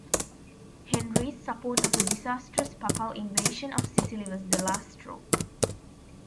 Henry's support of a disastrous papal invasion of Sicily was the last straw.